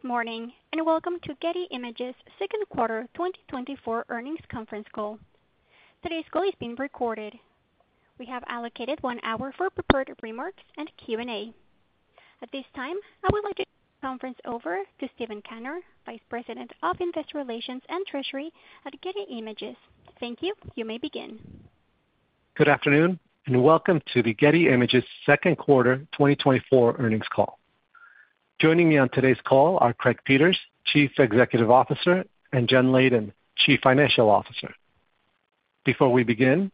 Good morning and welcome to Getty Images' second quarter 2024 earnings conference call. Today's call is being recorded. We have allocated one hour for prepared remarks and Q&A. At this time, I would like to turn the conference over to Steven Kanner, Vice President of Investor Relations and Treasury at Getty Images. Thank you. You may begin. Good afternoon and welcome to the Getty Images' second quarter 2024 earnings call. Joining me on today's call are Craig Peters, Chief Executive Officer, and Jen Leyden, Chief Financial Officer. Before we begin,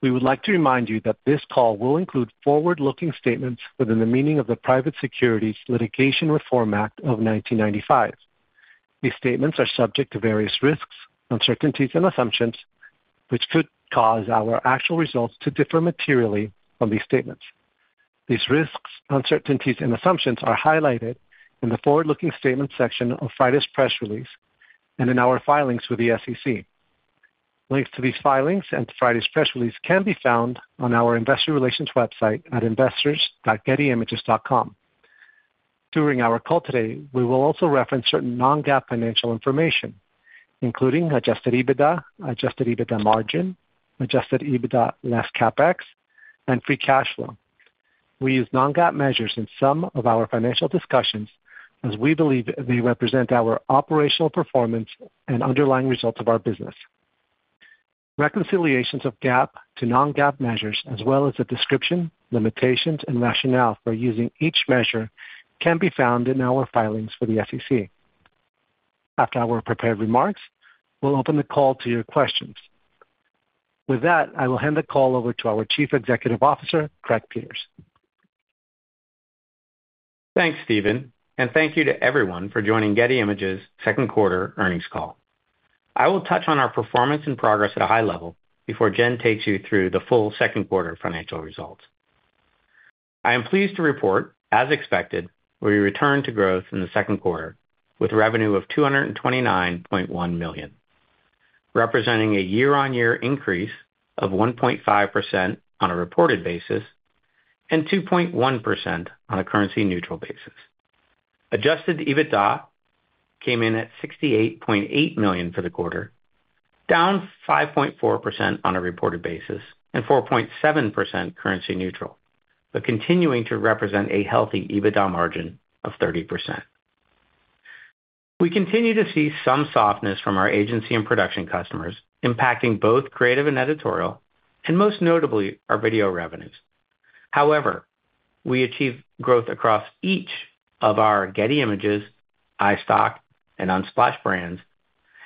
we would like to remind you that this call will include forward-looking statements within the meaning of the Private Securities Litigation Reform Act of 1995. These statements are subject to various risks, uncertainties, and assumptions, which could cause our actual results to differ materially from these statements. These risks, uncertainties, and assumptions are highlighted in the forward-looking statements section of Friday's press release and in our filings with the SEC. Links to these filings and to Friday's press release can be found on our investor relations website at investors.gettyimages.com. During our call today, we will also reference certain Non-GAAP financial information, including Adjusted EBITDA, Adjusted EBITDA margin, Adjusted EBITDA less CapEx, and free cash flow. We use non-GAAP measures in some of our financial discussions as we believe they represent our operational performance and underlying results of our business. Reconciliations of GAAP to non-GAAP measures, as well as the description, limitations, and rationale for using each measure, can be found in our filings for the SEC. After our prepared remarks, we'll open the call to your questions. With that, I will hand the call over to our Chief Executive Officer, Craig Peters. Thanks, Steven, and thank you to everyone for joining Getty Images' second quarter earnings call. I will touch on our performance and progress at a high level before Jen takes you through the full second quarter financial results. I am pleased to report, as expected, we returned to growth in the second quarter with a revenue of $229.1 million, representing a year-on-year increase of 1.5% on a reported basis and 2.1% on a currency-neutral basis. Adjusted EBITDA came in at $68.8 million for the quarter, down 5.4% on a reported basis and 4.7% currency-neutral, but continuing to represent a healthy EBITDA margin of 30%. We continue to see some softness from our agency and production customers, impacting both creative and editorial, and most notably our video revenues. However, we achieve growth across each of our Getty Images, iStock, and Unsplash brands,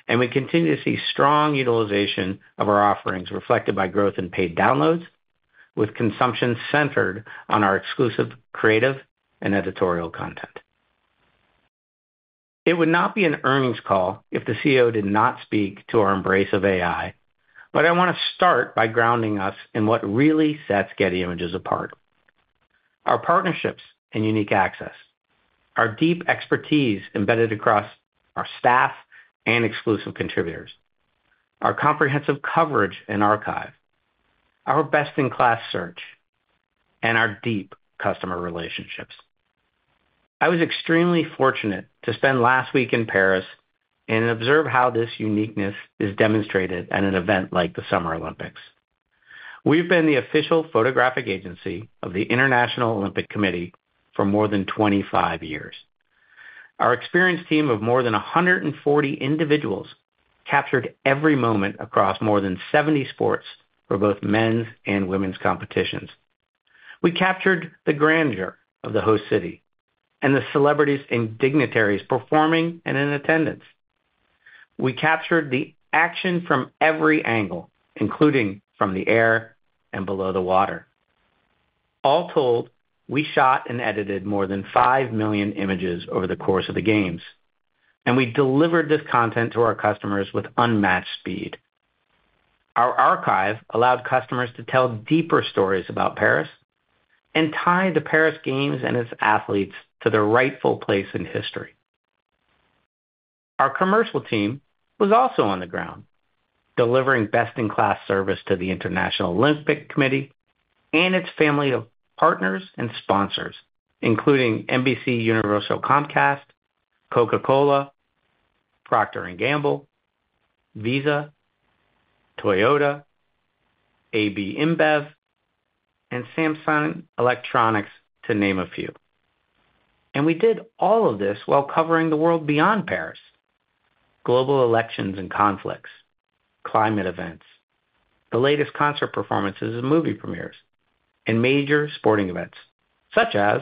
and we continue to see strong utilization of our offerings reflected by growth in paid downloads, with consumption centered on our exclusive creative and editorial content. It would not be an earnings call if the CEO did not speak to our embrace of AI, but I want to start by grounding us in what really sets Getty Images apart: our partnerships and unique access, our deep expertise embedded across our staff and exclusive contributors, our comprehensive coverage and archive, our best-in-class search, and our deep customer relationships. I was extremely fortunate to spend last week in Paris and observe how this uniqueness is demonstrated at an event like the Summer Olympics. We've been the official photographic agency of the International Olympic Committee for more than 25 years. Our experienced team of more than 140 individuals captured every moment across more than 70 sports for both men's and women's competitions. We captured the grandeur of the host city and the celebrities and dignitaries performing and in attendance. We captured the action from every angle, including from the air and below the water. All told, we shot and edited more than 5 million images over the course of the games, and we delivered this content to our customers with unmatched speed. Our archive allowed customers to tell deeper stories about Paris and tie the Paris Games and its athletes to their rightful place in history. Our commercial team was also on the ground, delivering best-in-class service to the International Olympic Committee and its family of partners and sponsors, including NBCUniversal, Comcast, Coca-Cola, Procter & Gamble, Visa, Toyota, AB InBev, and Samsung Electronics, to name a few. We did all of this while covering the world beyond Paris: global elections and conflicts, climate events, the latest concert performances and movie premieres, and major sporting events such as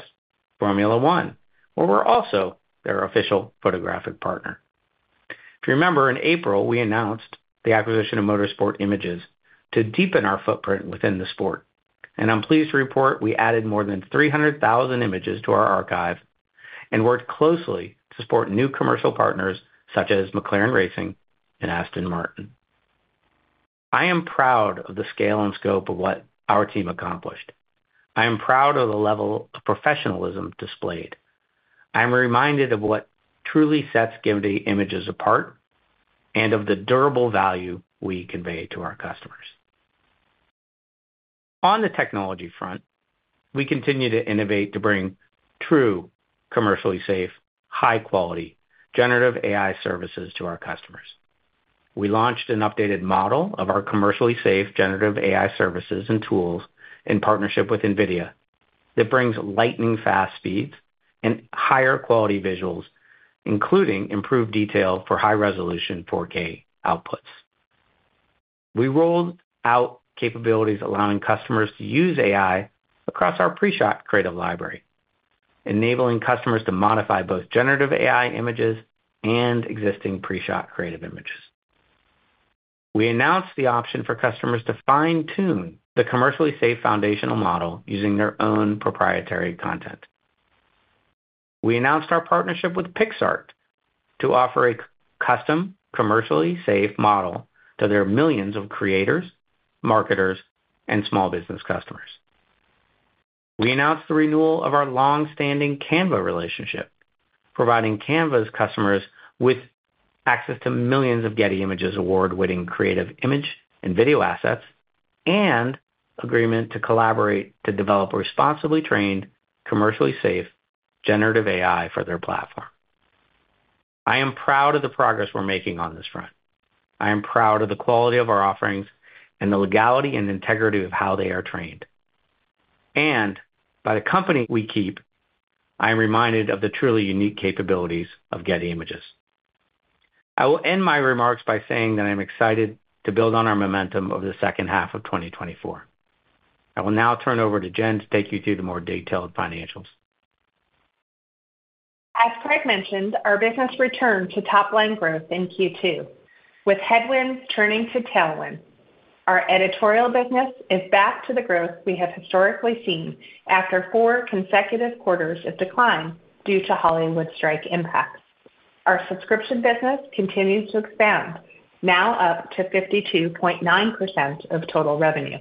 Formula One, where we're also their official photographic partner. If you remember, in April, we announced the acquisition of Motorsport Images to deepen our footprint within the sport. I'm pleased to report we added more than 300,000 images to our archive and worked closely to support new commercial partners such as McLaren Racing and Aston Martin. I am proud of the scale and scope of what our team accomplished. I am proud of the level of professionalism displayed. I'm reminded of what truly sets Getty Images apart and of the durable value we convey to our customers. On the technology front, we continue to innovate to bring true commercially safe, high-quality generative AI services to our customers. We launched an updated model of our commercially safe generative AI services and tools in partnership with NVIDIA that brings lightning-fast speeds and higher quality visuals, including improved detail for high-resolution 4K outputs. We rolled out capabilities allowing customers to use AI across our pre-shot creative library, enabling customers to modify both generative AI images and existing pre-shot creative images. We announced the option for customers to fine-tune the commercially safe foundational model using their own proprietary content. We announced our partnership with Picsart to offer a custom commercially safe model to their millions of creators, marketers, and small business customers. We announced the renewal of our long-standing Canva relationship, providing Canva's customers with access to millions of Getty Images award-winning creative image and video assets and agreement to collaborate to develop responsibly trained, commercially safe generative AI for their platform. I am proud of the progress we're making on this front. I am proud of the quality of our offerings and the legality and integrity of how they are trained. By the company we keep, I am reminded of the truly unique capabilities of Getty Images. I will end my remarks by saying that I'm excited to build on our momentum of the second half of 2024. I will now turn over to Jen to take you through the more detailed financials. As Craig mentioned, our business returned to top-line growth in Q2, with headwinds turning to tailwind. Our editorial business is back to the growth we have historically seen after four consecutive quarters of decline due to Hollywood strike impacts. Our subscription business continues to expand, now up to 52.9% of total revenue,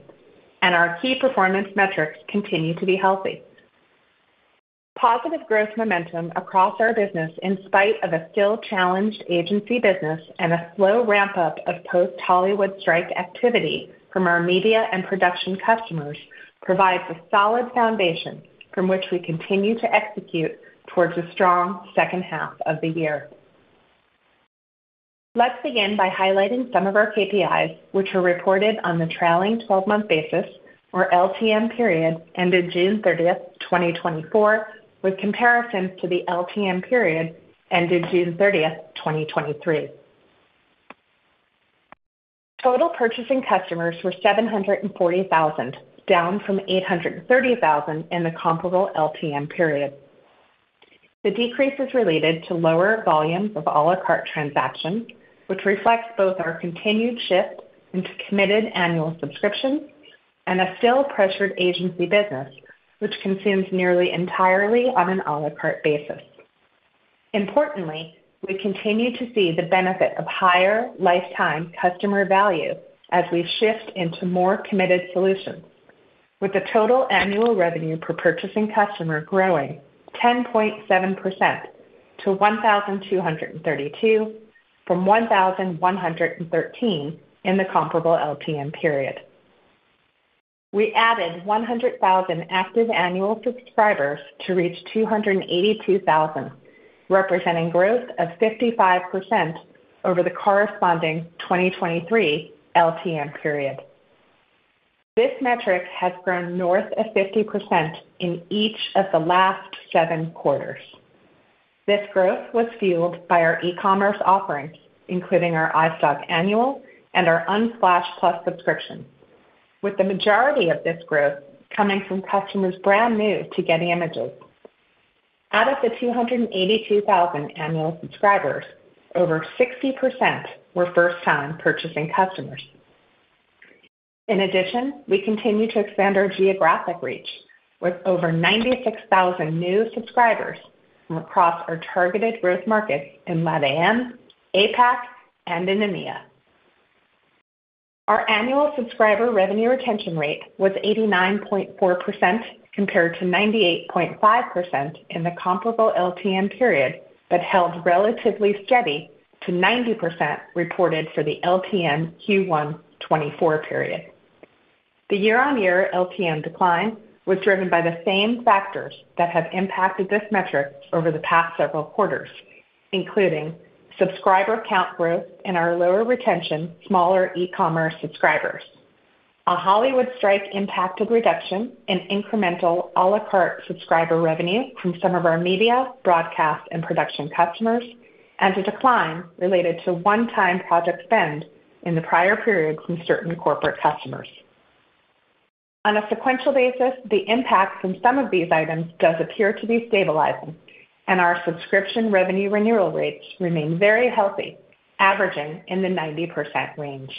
and our key performance metrics continue to be healthy. Positive growth momentum across our business, in spite of a still challenged agency business and a slow ramp-up of post-Hollywood strike activity from our media and production customers, provides a solid foundation from which we continue to execute towards a strong second half of the year. Let's begin by highlighting some of our KPIs, which were reported on the trailing 12-month basis, or LTM period, ended June 30, 2024, with comparisons to the LTM period ended June 30, 2023. Total purchasing customers were 740,000, down from 830,000 in the comparable LTM period. The decrease is related to lower volumes of à la carte transactions, which reflects both our continued shift into committed annual subscriptions and a still pressured agency business, which consumes nearly entirely on an à la carte basis. Importantly, we continue to see the benefit of higher lifetime customer value as we shift into more committed solutions, with the total annual revenue per purchasing customer growing 10.7% to $1,232 from $1,113 in the comparable LTM period. We added 100,000 active annual subscribers to reach 282,000, representing growth of 55% over the corresponding 2023 LTM period. This metric has grown north of 50% in each of the last seven quarters. This growth was fueled by our e-commerce offerings, including our iStock annual and our Unsplash+ subscriptions, with the majority of this growth coming from customers brand new to Getty Images. Out of the 282,000 annual subscribers, over 60% were first-time purchasing customers. In addition, we continue to expand our geographic reach, with over 96,000 new subscribers from across our targeted growth markets in LATAM, APAC, and in EMEA. Our annual subscriber revenue retention rate was 89.4% compared to 98.5% in the comparable LTM period, but held relatively steady to 90% reported for the LTM Q1-2024 period. The year-on-year LTM decline was driven by the same factors that have impacted this metric over the past several quarters, including subscriber count growth and our lower retention, smaller e-commerce subscribers. A Hollywood strike impacted reduction in incremental à la carte subscriber revenue from some of our media, broadcast, and production customers, and a decline related to one-time project spend in the prior period from certain corporate customers. On a sequential basis, the impact from some of these items does appear to be stabilizing, and our subscription revenue renewal rates remain very healthy, averaging in the 90% range.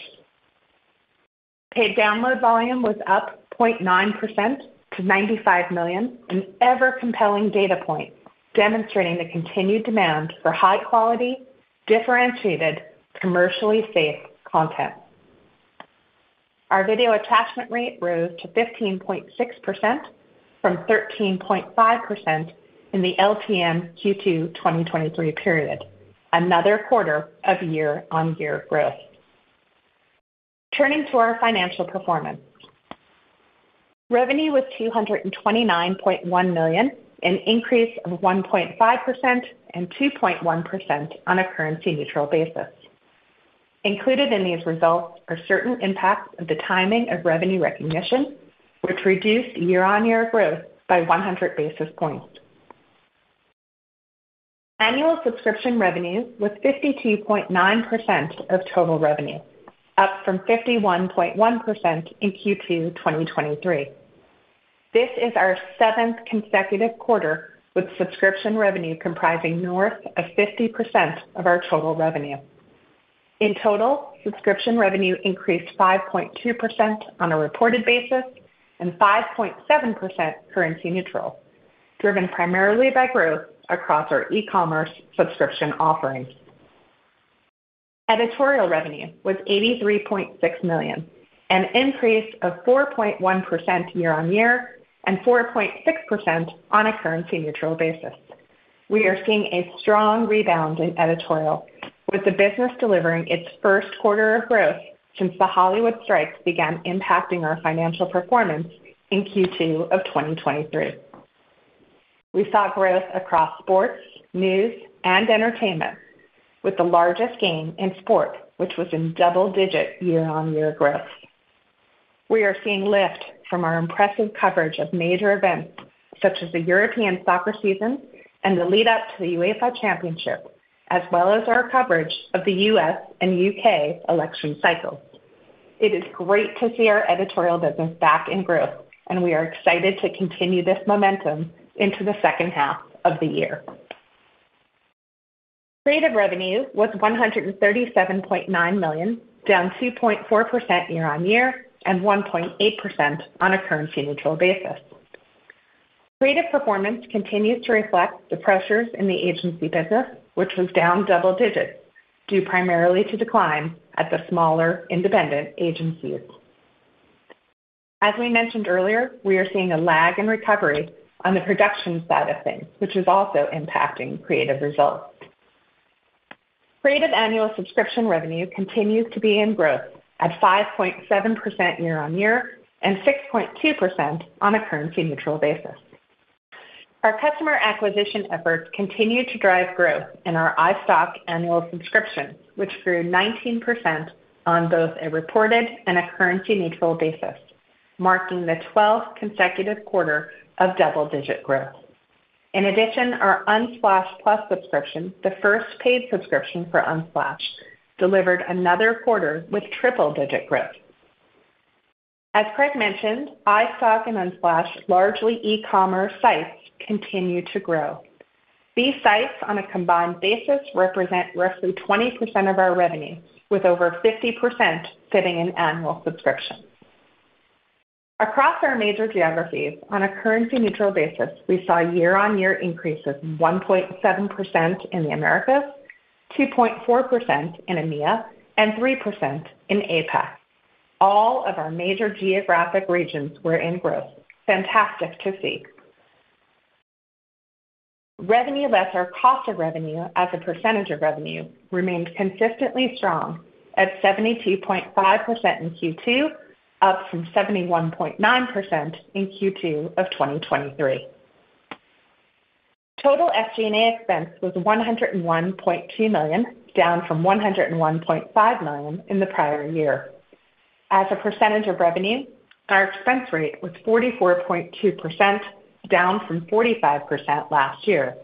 Paid download volume was up 0.9% to 95 million, an ever-compelling data point demonstrating the continued demand for high-quality, differentiated, commercially safe content. Our video attachment rate rose to 15.6% from 13.5% in the LTM Q2-2023 period, another quarter of year-on-year growth. Turning to our financial performance, revenue was $229.1 million, an increase of 1.5% and 2.1% on a currency-neutral basis. Included in these results are certain impacts of the timing of revenue recognition, which reduced year-on-year growth by 100 basis points. Annual subscription revenue was 52.9% of total revenue, up from 51.1% in Q2-2023. This is our seventh consecutive quarter with subscription revenue comprising north of 50% of our total revenue. In total, subscription revenue increased 5.2% on a reported basis and 5.7% currency-neutral, driven primarily by growth across our e-commerce subscription offerings. Editorial revenue was $83.6 million, an increase of 4.1% year-on-year and 4.6% on a currency-neutral basis. We are seeing a strong rebound in editorial, with the business delivering its first quarter of growth since the Hollywood strike began impacting our financial performance in Q2 of 2023. We saw growth across sports, news, and entertainment, with the largest gain in sports, which was in double-digit year-on-year growth. We are seeing lift from our impressive coverage of major events such as the European soccer season and the lead-up to the UEFA Championship, as well as our coverage of the U.S. and U.K. election cycle. It is great to see our editorial business back in growth, and we are excited to continue this momentum into the second half of the year. Creative revenue was $137.9 million, down 2.4% year-on-year and 1.8% on a currency-neutral basis. Creative performance continues to reflect the pressures in the agency business, which was down double-digit due primarily to decline at the smaller independent agencies. As we mentioned earlier, we are seeing a lag in recovery on the production side of things, which is also impacting creative results. Creative annual subscription revenue continues to be in growth at 5.7% year-on-year and 6.2% on a currency-neutral basis. Our customer acquisition efforts continue to drive growth in our iStock annual subscription, which grew 19% on both a reported and a currency-neutral basis, marking the 12th consecutive quarter of double-digit growth. In addition, our Unsplash+ subscription, the first paid subscription for Unsplash, delivered another quarter with triple-digit growth. As Craig mentioned, iStock and Unsplash, largely e-commerce sites, continue to grow. These sites on a combined basis represent roughly 20% of our revenue, with over 50% sitting in annual subscription. Across our major geographies, on a currency-neutral basis, we saw year-on-year increases of 1.7% in the Americas, 2.4% in EMEA, and 3% in APAC. All of our major geographic regions were in growth. Fantastic to see. Revenue less our cost of revenue as a percentage of revenue remained consistently strong at 72.5% in Q2, up from 71.9% in Q2 of 2023. Total SG&A expense was $101.2 million, down from $101.5 million in the prior year. As a percentage of revenue, our expense rate was 44.2%, down from 45% last year.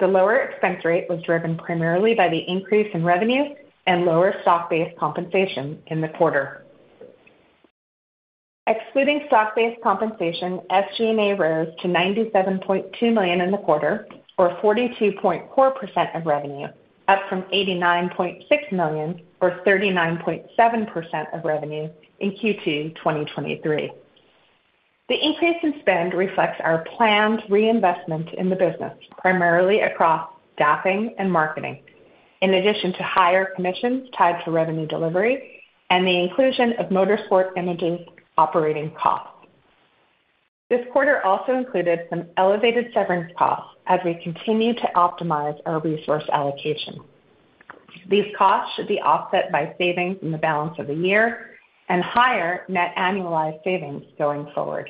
The lower expense rate was driven primarily by the increase in revenue and lower stock-based compensation in the quarter. Excluding stock-based compensation, SG&A rose to $97.2 million in the quarter, or 42.4% of revenue, up from $89.6 million or 39.7% of revenue in Q2-2023. The increase in spend reflects our planned reinvestment in the business, primarily across staffing and marketing, in addition to higher commissions tied to revenue delivery and the inclusion of Motorsport Images operating costs. This quarter also included some elevated severance costs as we continue to optimize our resource allocation. These costs should be offset by savings in the balance of the year and higher net annualized savings going forward.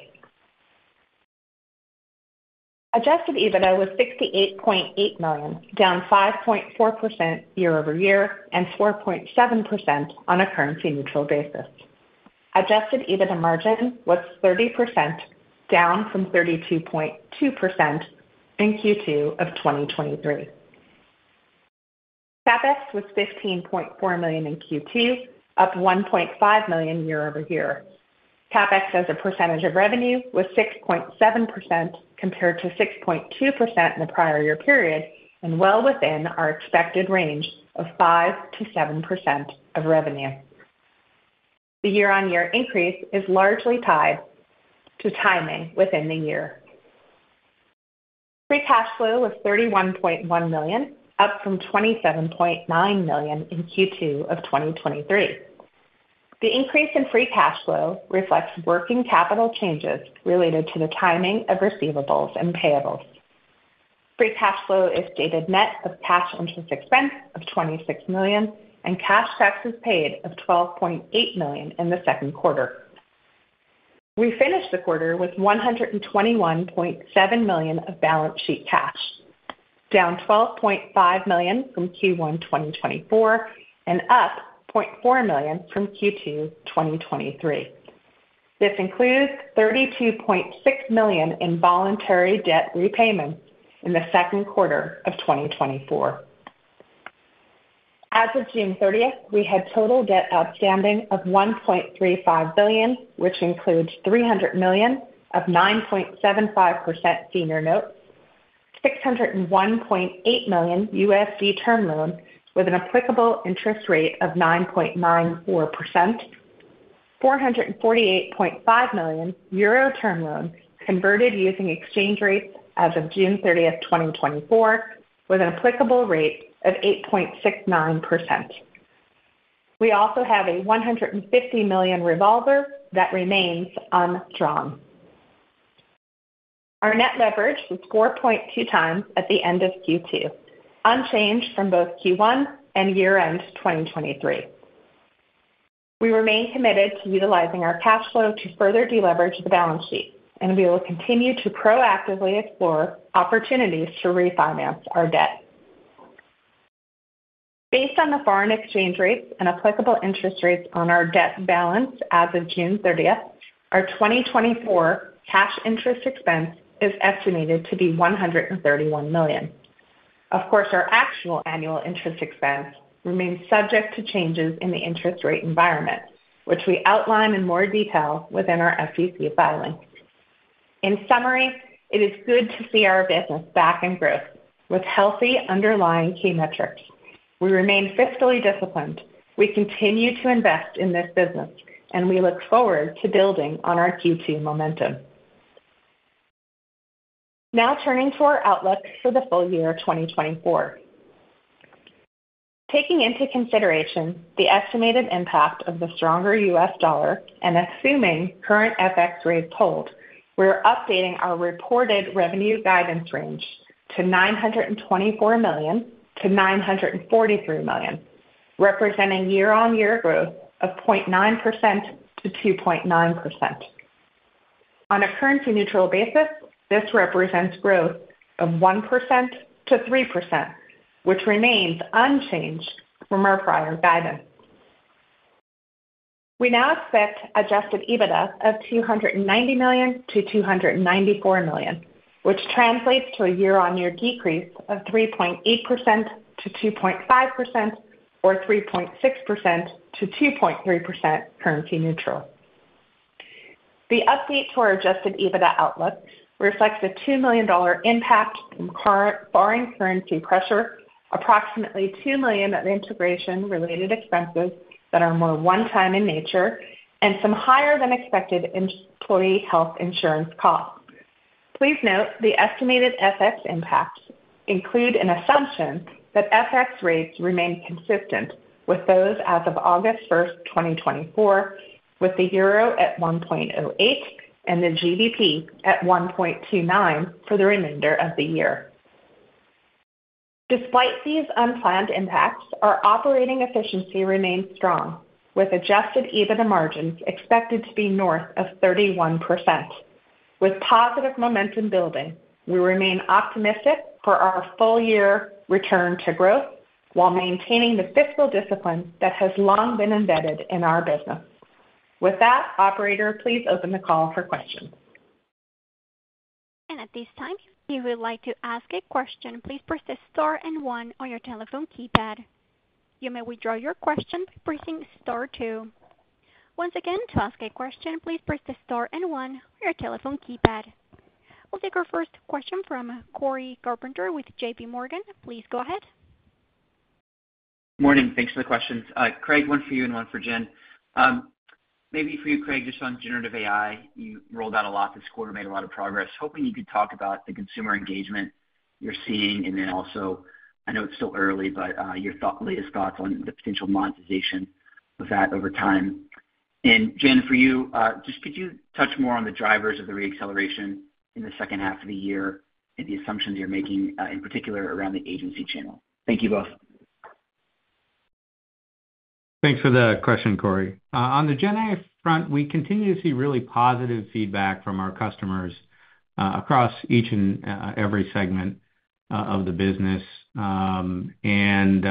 Adjusted EBITDA was $68.8 million, down 5.4% year-over-year and 4.7% on a currency-neutral basis. Adjusted EBITDA margin was 30%, down from 32.2% in Q2 of 2023. CapEx was $15.4 million in Q2, up $1.5 million year-over-year. CapEx as a percentage of revenue was 6.7% compared to 6.2% in the prior year period and well within our expected range of 5%-7% of revenue. The year-on-year increase is largely tied to timing within the year. Free cash flow was $31.1 million, up from $27.9 million in Q2 of 2023. The increase in free cash flow reflects working capital changes related to the timing of receivables and payables. Free cash flow is stated net of cash interest expense of $26 million and cash taxes paid of $12.8 million in the second quarter. We finished the quarter with $121.7 million of balance sheet cash, down $12.5 million from Q1-2024 and up $0.4 million from Q2-2023. This includes $32.6 million in voluntary debt repayments in the second quarter of 2024. As of June 30, we had total debt outstanding of $1.35 billion, which includes $300 million of 9.75% Senior Notes, $601.8 million term loan with an applicable interest rate of 9.94%, 448.5 million euro term loan converted using exchange rates as of June 30, 2024, with an applicable rate of 8.69%. We also have a $150 million revolver that remains undrawn. Our net leverage was 4.2 times at the end of Q2, unchanged from both Q1 and year-end 2023. We remain committed to utilizing our cash flow to further deleverage the balance sheet, and we will continue to proactively explore opportunities to refinance our debt. Based on the foreign exchange rates and applicable interest rates on our debt balance as of June 30, our 2024 cash interest expense is estimated to be $131 million. Of course, our actual annual interest expense remains subject to changes in the interest rate environment, which we outline in more detail within our SEC filing. In summary, it is good to see our business back in growth with healthy underlying key metrics. We remain fiscally disciplined. We continue to invest in this business, and we look forward to building on our Q2 momentum. Now turning to our outlook for the full year 2024. Taking into consideration the estimated impact of the stronger U.S. dollar and assuming current FX rates hold, we're updating our reported revenue guidance range to $924 million-$943 million, representing year-on-year growth of 0.9%-2.9%. On a currency-neutral basis, this represents growth of 1%-3%, which remains unchanged from our prior guidance. We now set Adjusted EBITDA of $290 million-$294 million, which translates to a year-on-year decrease of 3.8%-2.5% or 3.6%-2.3% currency-neutral. The update to our Adjusted EBITDA outlook reflects a $2 million impact from current foreign currency pressure, approximately $2 million of integration-related expenses that are more one-time in nature, and some higher-than-expected employee health insurance costs. Please note the estimated FX impacts include an assumption that FX rates remain consistent with those as of August 1, 2024, with the euro at 1.08 and the GBP at 1.29 for the remainder of the year. Despite these unplanned impacts, our operating efficiency remains strong, with Adjusted EBITDA margins expected to be north of 31%. With positive momentum building, we remain optimistic for our full-year return to growth while maintaining the fiscal discipline that has long been embedded in our business. With that, operator, please open the call for questions. At this time, if you would like to ask a question, please press the star and one on your telephone keypad. You may withdraw your question by pressing star two. Once again, to ask a question, please press the star and one on your telephone keypad. We'll take our first question from Cory Carpenter with J.P. Morgan. Please go ahead. Good morning. Thanks for the questions. Craig, one for you and one for Jen. Maybe for you, Craig, just on generative AI, you rolled out a lot this quarter, made a lot of progress. Hoping you could talk about the consumer engagement you're seeing and then also, I know it's still early, but your thoughtful latest thoughts on the potential monetization of that over time. And Jen, for you, just could you touch more on the drivers of the reacceleration in the second half of the year and the assumptions you're making, in particular around the agency channel? Thank you both. Thanks for the question, Cory. On the Gen AI front, we continue to see really positive feedback from our customers across each and every segment of the business. And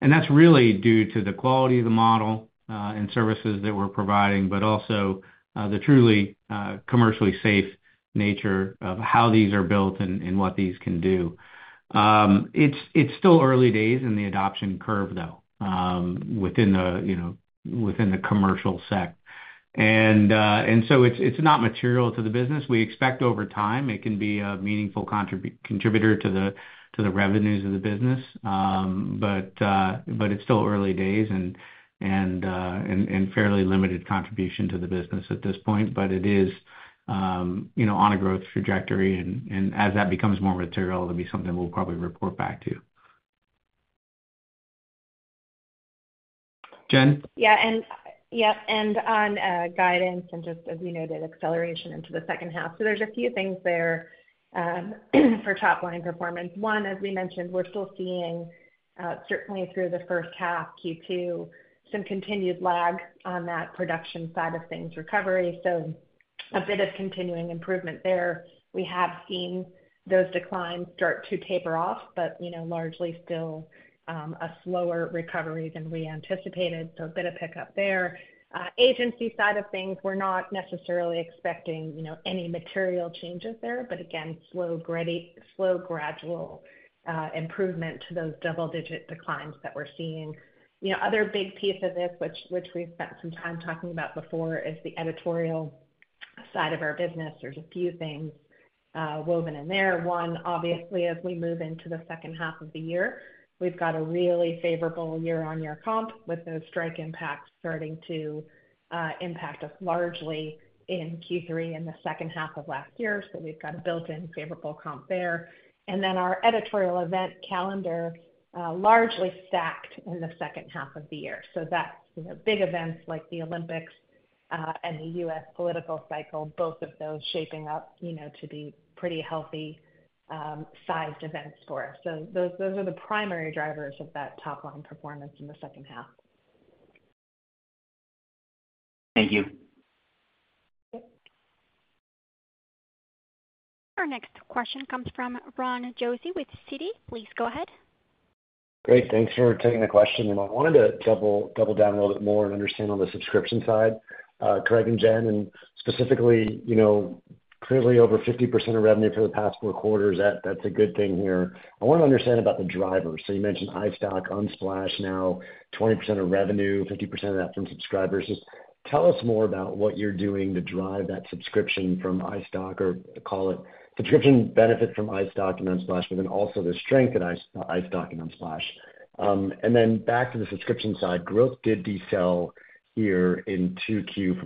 that's really due to the quality of the model and services that we're providing, but also the truly commercially safe nature of how these are built and what these can do. It's still early days in the adoption curve, though, within the commercial sector. And so it's not material to the business. We expect over time it can be a meaningful contributor to the revenues of the business, but it's still early days and fairly limited contribution to the business at this point. But it is on a growth trajectory, and as that becomes more material, it'll be something we'll probably report back to. Jen? Yeah, and on guidance and just, as we noted, acceleration into the second half. So there's a few things there for top-line performance. One, as we mentioned, we're still seeing, certainly through the first half, Q2, some continued lag on that production side of things recovery. So a bit of continuing improvement there. We have seen those declines start to taper off, but largely still a slower recovery than we anticipated. So a bit of pickup there. Agency side of things, we're not necessarily expecting any material changes there, but again, slow gradual improvement to those double-digit declines that we're seeing. Other big piece of this, which we've spent some time talking about before, is the editorial side of our business. There's a few things woven in there. One, obviously, as we move into the second half of the year, we've got a really favorable year-on-year comp with those strike impacts starting to impact us largely in Q3 and the second half of last year. So we've got a built-in favorable comp there. And then our editorial event calendar largely stacked in the second half of the year. So that's big events like the Olympics and the U.S. political cycle, both of those shaping up to be pretty healthy-sized events for us. So those are the primary drivers of that top-line performance in the second half. Thank you. Our next question comes from Ron Josey with Citi. Please go ahead. Great. Thanks for taking the question. I wanted to double down a little bit more and understand on the subscription side, Craig and Jen, and specifically, clearly over 50% of revenue for the past 4 quarters. That's a good thing here. I want to understand about the drivers. So you mentioned iStock, Unsplash now, 20% of revenue, 50% of that from subscribers. Just tell us more about what you're doing to drive that subscription from iStock or call it subscription benefits from iStock and Unsplash, but then also the strength of iStock and Unsplash. And then back to the subscription side, growth did decel here in Q2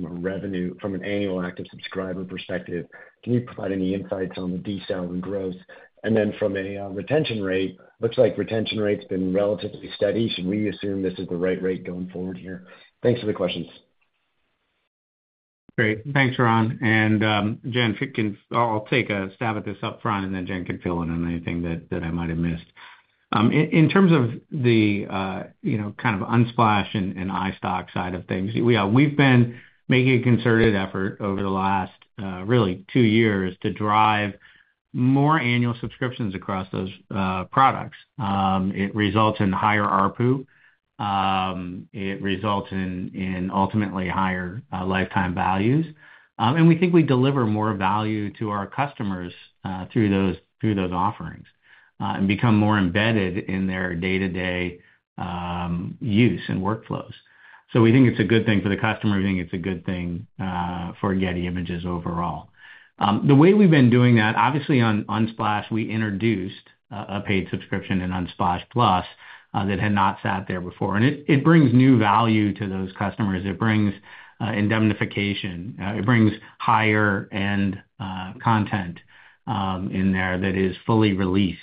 from an annual active subscriber perspective. Can you provide any insights on the decel and growth? And then from a retention rate, looks like retention rate's been relatively steady. Should we assume this is the right rate going forward here? Thanks for the questions. Great. Thanks, Ron. And Jen, I'll take a stab at this upfront, and then Jen can fill in on anything that I might have missed. In terms of the kind of Unsplash and iStock side of things, we've been making a concerted effort over the last, really, two years to drive more annual subscriptions across those products. It results in higher RPU. It results in ultimately higher lifetime values. And we think we deliver more value to our customers through those offerings and become more embedded in their day-to-day use and workflows. So we think it's a good thing for the customer. We think it's a good thing for Getty Images overall. The way we've been doing that, obviously, on Unsplash, we introduced a paid subscription in Unsplash+ that had not sat there before. And it brings new value to those customers. It brings indemnification. It brings higher-end content in there that is fully released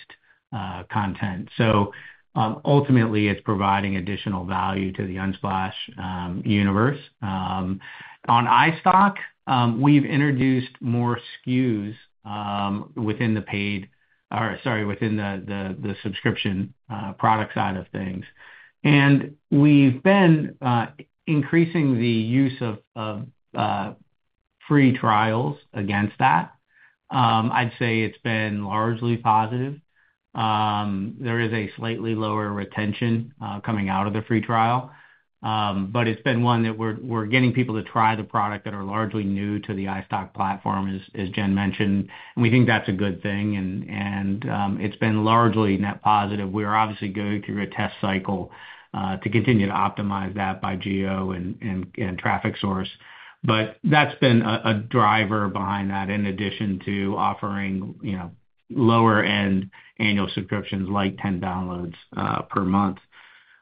content. So ultimately, it's providing additional value to the Unsplash universe. On iStock, we've introduced more SKUs within the paid or, sorry, within the subscription product side of things. And we've been increasing the use of free trials against that. I'd say it's been largely positive. There is a slightly lower retention coming out of the free trial, but it's been one that we're getting people to try the product that are largely new to the iStock platform, as Jen mentioned. And we think that's a good thing. And it's been largely net positive. We are obviously going through a test cycle to continue to optimize that by geo and traffic source. But that's been a driver behind that, in addition to offering lower-end annual subscriptions like 10 downloads per month.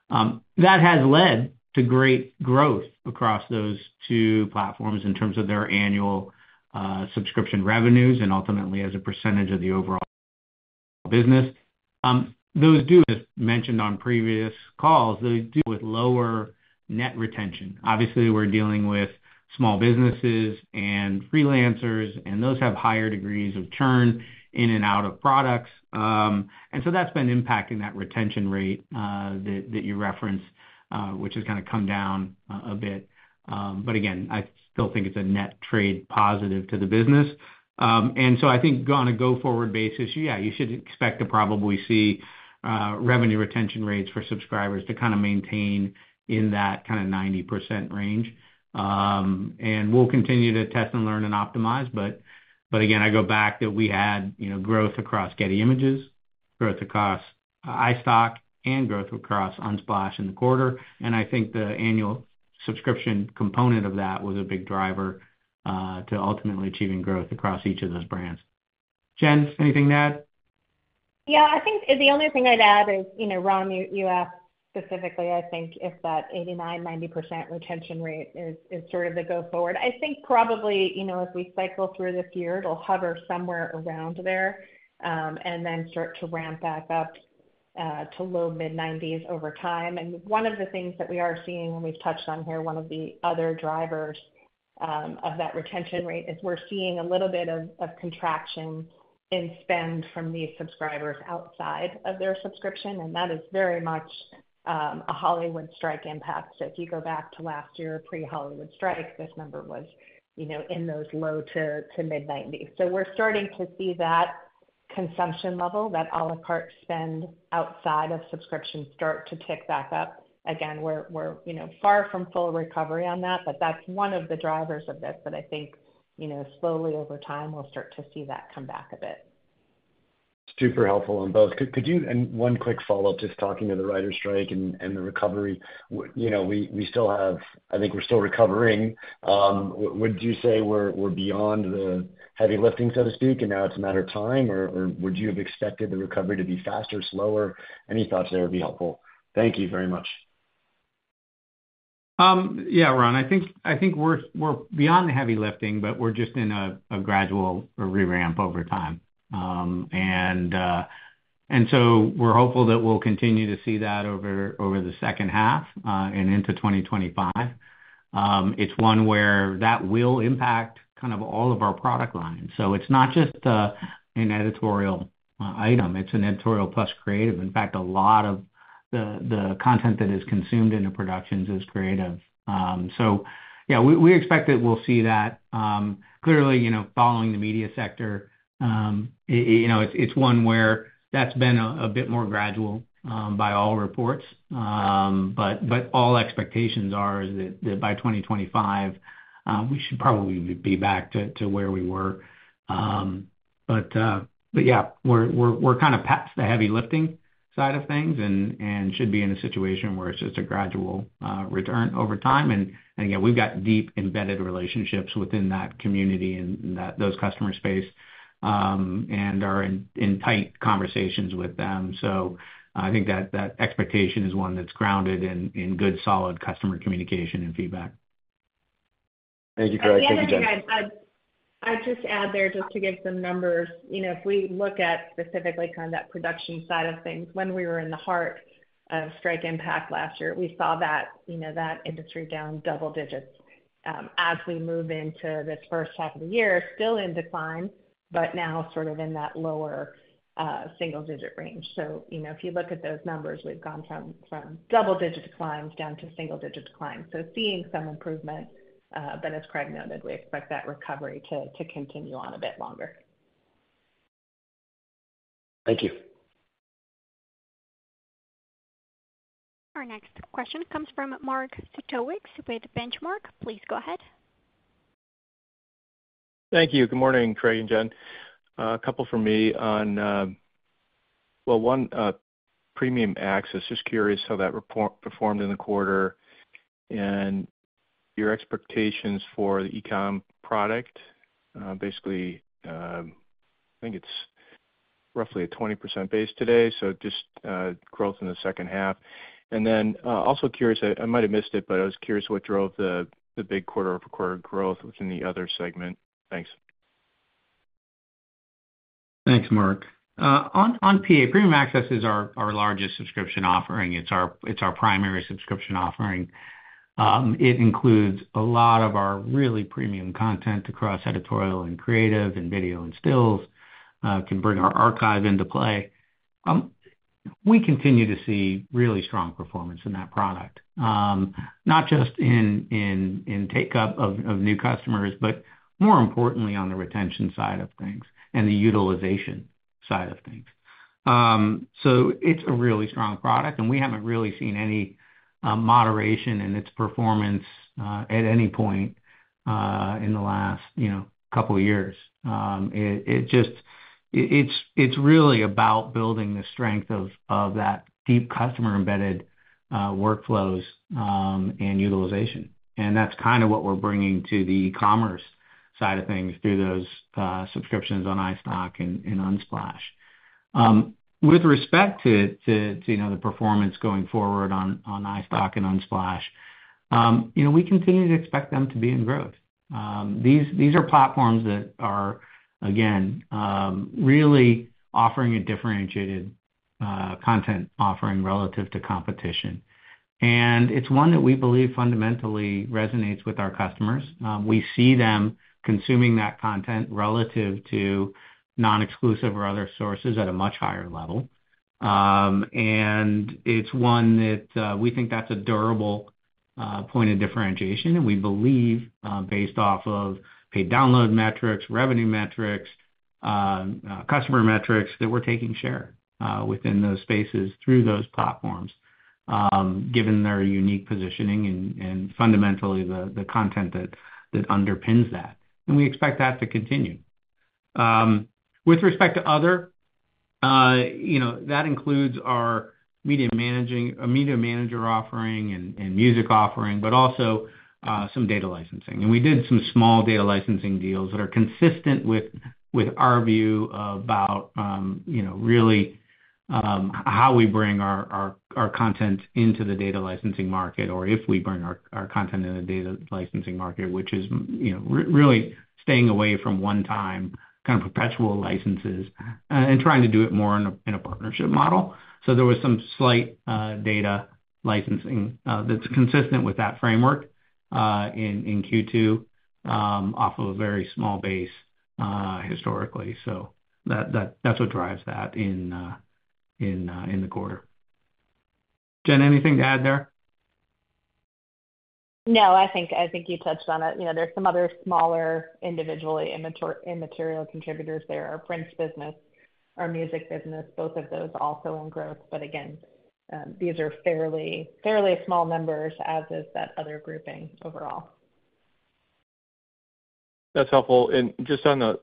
That has led to great growth across those two platforms in terms of their annual subscription revenues and ultimately as a percentage of the overall business. Those do, as mentioned on previous calls, those do with lower net retention. Obviously, we're dealing with small businesses and freelancers, and those have higher degrees of churn in and out of products. And so that's been impacting that retention rate that you referenced, which has kind of come down a bit. But again, I still think it's a net trade positive to the business. And so I think on a go-forward basis, yeah, you should expect to probably see revenue retention rates for subscribers to kind of maintain in that kind of 90% range. And we'll continue to test and learn and optimize. But again, I go back that we had growth across Getty Images, growth across iStock, and growth across Unsplash in the quarter. And I think the annual subscription component of that was a big driver to ultimately achieving growth across each of those brands. Jen, anything to add? Yeah, I think the only thing I'd add is, Ron, you asked specifically, I think if that 89%-90% retention rate is sort of the go-forward. I think probably if we cycle through this year, it'll hover somewhere around there and then start to ramp back up to low-mid-90s over time. And one of the things that we are seeing and we've touched on here, one of the other drivers of that retention rate is we're seeing a little bit of contraction in spend from these subscribers outside of their subscription. And that is very much a Hollywood strike impact. So if you go back to last year, pre-Hollywood strike, this number was in those low- to mid-90s. So we're starting to see that consumption level, that a la carte spend outside of subscription start to tick back up. Again, we're far from full recovery on that, but that's one of the drivers of this. But I think slowly over time, we'll start to see that come back a bit. Super helpful on both. And one quick follow-up, just talking to the writer's strike and the recovery. We still have, I think we're still recovering. Would you say we're beyond the heavy lifting, so to speak, and now it's a matter of time? Or would you have expected the recovery to be faster, slower? Any thoughts there would be helpful. Thank you very much. Yeah, Ron. I think we're beyond the heavy lifting, but we're just in a gradual re-ramp over time. And so we're hopeful that we'll continue to see that over the second half and into 2025. It's one where that will impact kind of all of our product lines. So it's not just an editorial item. It's an editorial plus creative. In fact, a lot of the content that is consumed in the productions is creative. So yeah, we expect that we'll see that. Clearly, following the media sector, it's one where that's been a bit more gradual by all reports. But all expectations are that by 2025, we should probably be back to where we were. But yeah, we're kind of past the heavy lifting side of things and should be in a situation where it's just a gradual return over time. And again, we've got deep embedded relationships within that community and those customer space and are in tight conversations with them. So I think that expectation is one that's grounded in good, solid customer communication and feedback. Thank you, Craig. Thank you, Jen. I'd just add there, just to give some numbers, if we look at specifically kind of that production side of things, when we were in the heart of strike impact last year, we saw that industry down double digits as we move into this first half of the year, still in decline, but now sort of in that lower single-digit range. So if you look at those numbers, we've gone from double-digit declines down to single-digit declines. So seeing some improvement, but as Craig noted, we expect that recovery to continue on a bit longer. Thank you. Our next question comes from Mark Zgutowicz with Benchmark.Please go ahead. Thank you. Good morning, Craig and Jen. A couple for me on, well, one Premium Access. Just curious how that performed in the quarter and your expectations for the e-com product. Basically, I think it's roughly a 20% base today, so just growth in the second half. And then also curious, I might have missed it, but I was curious what drove the big quarter-over-quarter growth within the other segment. Thanks. Thanks, Mark. On PA, Premium Access is our largest subscription offering. It's our primary subscription offering. It includes a lot of our really premium content across editorial and creative and video and stills, can bring our archive into play. We continue to see really strong performance in that product, not just in take-up of new customers, but more importantly, on the retention side of things and the utilization side of things. So it's a really strong product, and we haven't really seen any moderation in its performance at any point in the last couple of years. It's really about building the strength of that deep customer-embedded workflows and utilization. And that's kind of what we're bringing to the e-commerce side of things through those subscriptions on iStock and Unsplash. With respect to the performance going forward on iStock and Unsplash, we continue to expect them to be in growth. These are platforms that are, again, really offering a differentiated content offering relative to competition. And it's one that we believe fundamentally resonates with our customers. We see them consuming that content relative to non-exclusive or other sources at a much higher level. And it's one that we think that's a durable point of differentiation. We believe, based off of paid download metrics, revenue metrics, customer metrics, that we're taking share within those spaces through those platforms, given their unique positioning and fundamentally the content that underpins that. We expect that to continue. With respect to other, that includes our Media Manager offering and music offering, but also some data licensing. We did some small data licensing deals that are consistent with our view about really how we bring our content into the data licensing market, or if we bring our content into the data licensing market, which is really staying away from one-time kind of perpetual licenses and trying to do it more in a partnership model. So there was some slight data licensing that's consistent with that framework in Q2 off of a very small base historically. So that's what drives that in the quarter. Jen, anything to add there? No, I think you touched on it. There's some other smaller individually immaterial contributors there, our prints business, our music business, both of those also in growth. But again, these are fairly small numbers, as is that other grouping overall. That's helpful. And just on the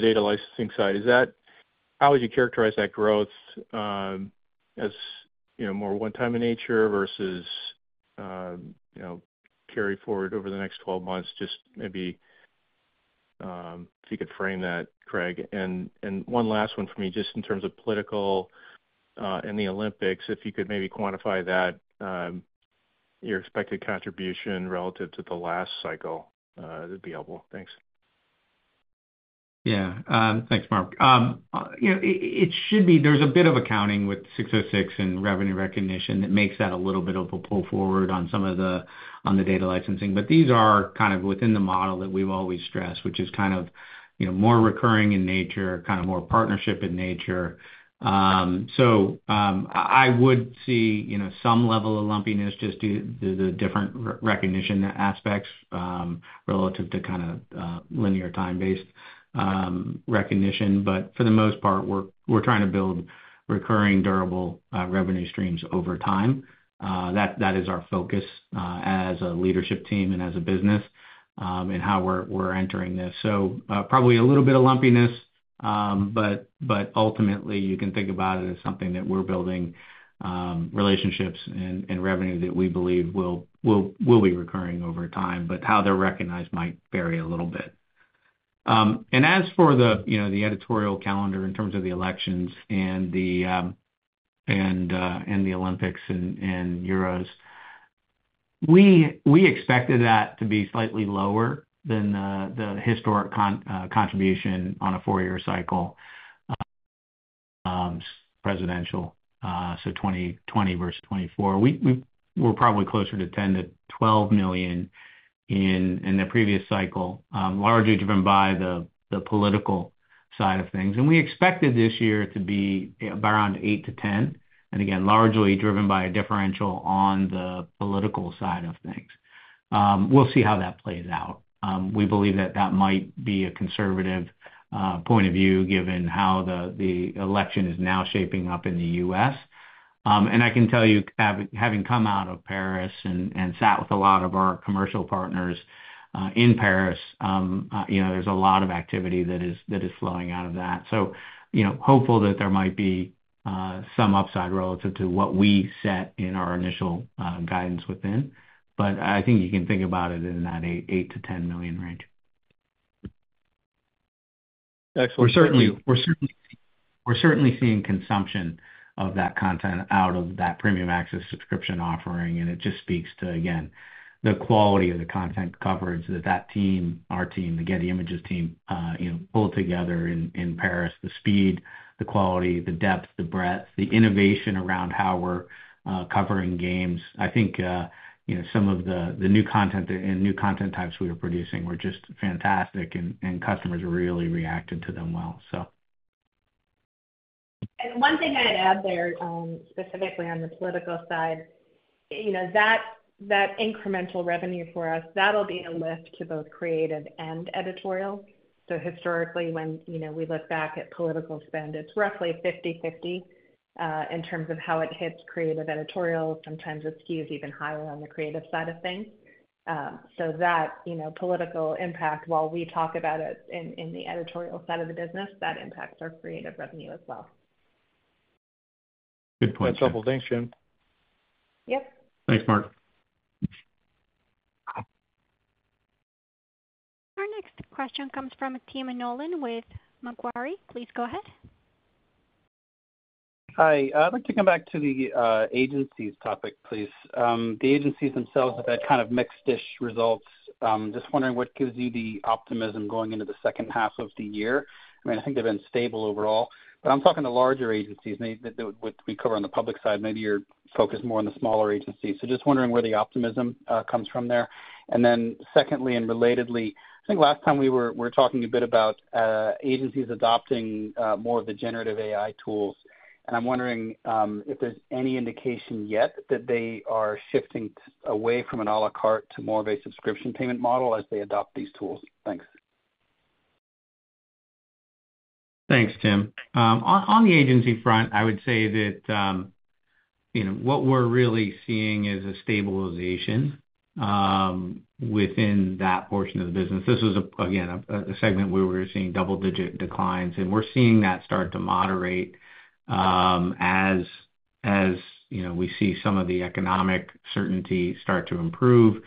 data licensing side, how would you characterize that growth as more one-time in nature versus carry forward over the next 12 months? Just maybe if you could frame that, Craig. And one last one for me, just in terms of political and the Olympics, if you could maybe quantify that, your expected contribution relative to the last cycle, that'd be helpful. Thanks. Yeah. Thanks, Mark. It should be there's a bit of accounting with 606 and revenue recognition that makes that a little bit of a pull forward on some of the data licensing. But these are kind of within the model that we've always stressed, which is kind of more recurring in nature, kind of more partnership in nature. So I would see some level of lumpiness just due to the different recognition aspects relative to kind of linear time-based recognition. But for the most part, we're trying to build recurring, durable revenue streams over time. That is our focus as a leadership team and as a business and how we're entering this. So probably a little bit of lumpiness, but ultimately, you can think about it as something that we're building relationships and revenue that we believe will be recurring over time, but how they're recognized might vary a little bit. As for the editorial calendar in terms of the elections and the Olympics and Euros, we expected that to be slightly lower than the historic contribution on a four-year cycle, presidential, so 2020 versus 2024. We're probably closer to $10 million-$12 million in the previous cycle, largely driven by the political side of things. And we expected this year to be around $8 million-$10 million, and again, largely driven by a differential on the political side of things. We'll see how that plays out. We believe that that might be a conservative point of view given how the election is now shaping up in the U.S. And I can tell you, having come out of Paris and sat with a lot of our commercial partners in Paris, there's a lot of activity that is flowing out of that. So hopeful that there might be some upside relative to what we set in our initial guidance within. But I think you can think about it in that $8 million-$10 million range. Excellent. We're certainly seeing consumption of that content out of that Premium Access subscription offering. And it just speaks to, again, the quality of the content coverage that that team, our team, the Getty Images team, pulled together in Paris, the speed, the quality, the depth, the breadth, the innovation around how we're covering games. I think some of the new content and new content types we are producing were just fantastic, and customers really reacted to them well, so. One thing I'd add there, specifically on the political side, that incremental revenue for us, that'll be a lift to both creative and editorial. So historically, when we look back at political spend, it's roughly 50/50 in terms of how it hits creative editorial. Sometimes it skews even higher on the creative side of things. So that political impact, while we talk about it in the editorial side of the business, that impacts our creative revenue as well. Good point. That's helpful. Thanks, Jen. Yep. Thanks, Mark. Our next question comes from Tim Nollen with Macquarie. Please go ahead. Hi. I'd like to come back to the agencies topic, please. The agencies themselves have had kind of mixed-ish results. Just wondering what gives you the optimism going into the second half of the year. I mean, I think they've been stable overall. But I'm talking to larger agencies. We cover on the public side, maybe you're focused more on the smaller agencies. So just wondering where the optimism comes from there. And then secondly, and relatedly, I think last time we were talking a bit about agencies adopting more of the Generative AI tools. And I'm wondering if there's any indication yet that they are shifting away from an à la carte to more of a subscription payment model as they adopt these tools. Thanks. Thanks, Tim. On the agency front, I would say that what we're really seeing is a stabilization within that portion of the business. This was, again, a segment where we were seeing double-digit declines. And we're seeing that start to moderate as we see some of the economic certainty start to improve,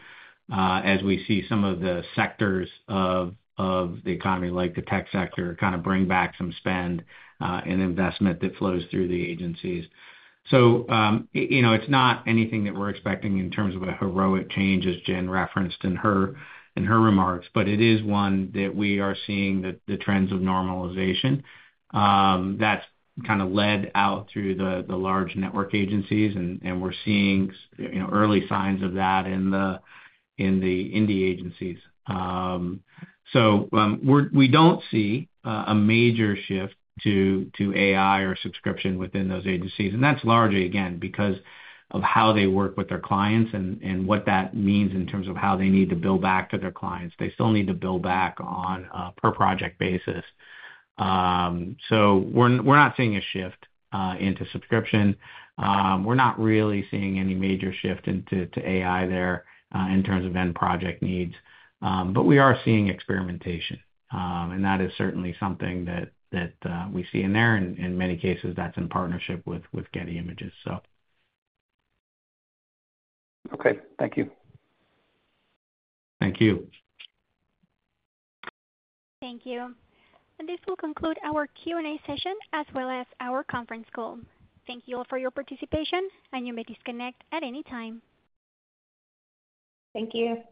as we see some of the sectors of the economy, like the tech sector, kind of bring back some spend and investment that flows through the agencies. So it's not anything that we're expecting in terms of a heroic change, as Jen referenced in her remarks, but it is one that we are seeing the trends of normalization that's kind of led out through the large network agencies. And we're seeing early signs of that in the indie agencies. So we don't see a major shift to AI or subscription within those agencies. And that's largely, again, because of how they work with their clients and what that means in terms of how they need to build back to their clients. They still need to build back on a per-project basis. So we're not seeing a shift into subscription. We're not really seeing any major shift into AI there in terms of end project needs. But we are seeing experimentation. And that is certainly something that we see in there. In many cases, that's in partnership with Getty Images, so. Okay. Thank you. Thank you. Thank you. This will conclude our Q&A session as well as our conference call. Thank you all for your participation, and you may disconnect at any time. Thank you.